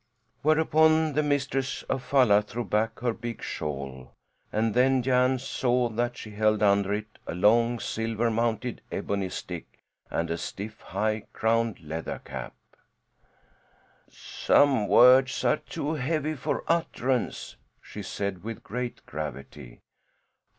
Whereupon the mistress of Falla threw back her big shawl, and then Jan saw that she held under it a long, silver mounted ebony stick and a stiff, high crowned leather cap. "Some words are too heavy for utterance," she said with great gravity.